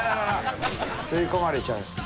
吸い込まれちゃいます。